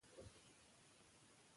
که چت وي نو باران نه راتوییږي.